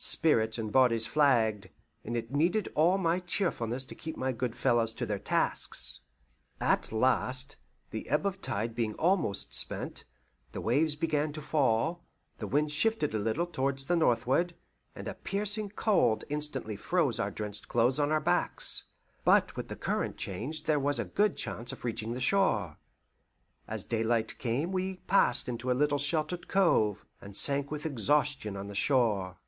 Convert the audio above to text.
Spirits and bodies flagged, and it needed all my cheerfulness to keep my good fellows to their tasks. At last, the ebb of tide being almost spent, the waves began to fall, the wind shifted a little to the northward, and a piercing cold instantly froze our drenched clothes on our backs. But with the current changed there was a good chance of reaching the shore. As daylight came we passed into a little sheltered cove, and sank with exhaustion on the shore.